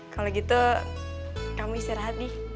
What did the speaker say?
kalau gitu kamu istirahat nih